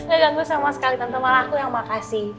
gak ganggu sama sekali tante malaku yang makasih